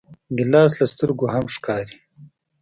ګیلاس له سترګو هم ښکاري.